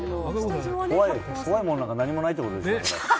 怖いものなんか何もないってことでしょ？